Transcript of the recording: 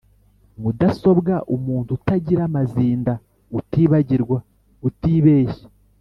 mudasobwa: umuntu utagira amazinda, utibagirwa, utibeshya